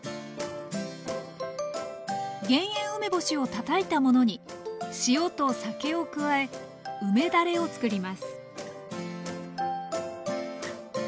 減塩梅干しをたたいたものに塩と酒を加え梅だれを作ります